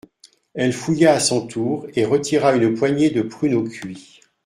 Elle fouilla à son tour et retira une poignée de pruneaux cuits.